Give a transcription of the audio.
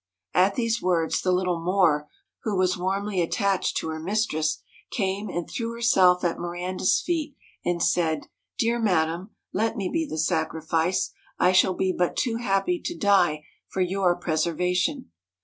' At these words the little Moor, who was warmly attached to her mistress, came and threw herself at Miranda's feet, and said :' Dear madam, let me be the sacrifice, I shall be but too happy to die for your preservation.'